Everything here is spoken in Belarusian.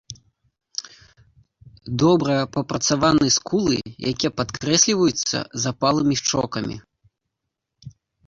Добра прапрацаваны скулы, якія падкрэсліваюцца запалымі шчокамі.